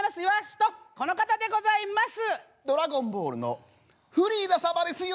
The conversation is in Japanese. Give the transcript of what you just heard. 「ドラゴンボール」のフリーザ様ですよ！